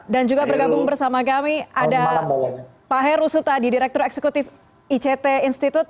dan juga bergabung bersama kami ada pak heru suta direktur eksekutif ict institut